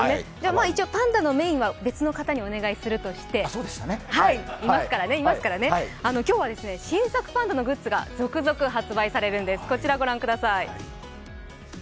一応パンダのメインは別の方にお願いするとして今日は新作パンダのグッズが続々販売されるんです。